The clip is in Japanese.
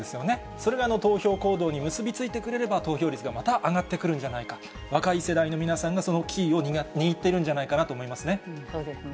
それが投票行動に結び付いてくれれば、投票率がまた上がってくるんじゃないか、若い世代の皆さんが、そのキーを握っているんじゃそうですね。